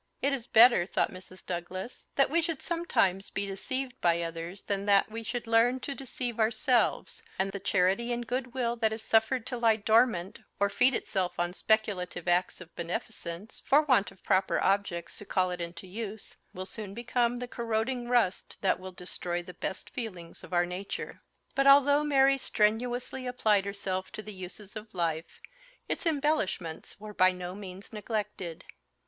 "It is better," thought Mrs. Douglas, "that we should sometimes be deceived by others than that we should learn to deceive ourselves; and the charity and goodwill that is suffered to lie dormant, or feed itself on speculative acts of beneficence, for want of proper objects to call it into use, will soon become the corroding rust that will destroy the best feelings of our nature." But although Mary strenuously applied herself to the uses of life, its embellishments were by no means neglected.